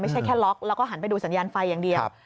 แค่ล็อกแล้วก็หันไปดูสัญญาณไฟอย่างเดียว